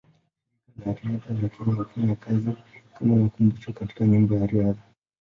Shirika la Riadha la Kenya hufanya kazi kama makumbusho katika Nyumba ya Riadha, Nairobi.